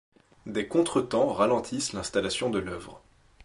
Des contretemps ralentissent l’installation de l’œuvre.